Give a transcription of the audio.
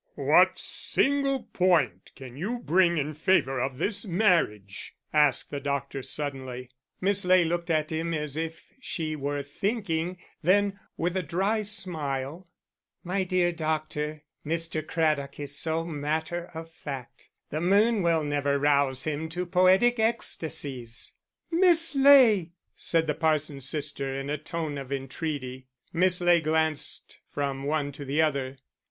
"What single point can you bring in favour of this marriage?" asked the doctor, suddenly. Miss Ley looked at him as if she were thinking, then, with a dry smile: "My dear doctor, Mr. Craddock is so matter of fact the moon will never rouse him to poetic ecstasies." "Miss Ley!" said the parson's sister, in a tone of entreaty. Miss Ley glanced from one to the other.